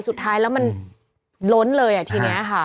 สุดท้ายแล้วมันล้นเลยอ่ะทีนี้ค่ะ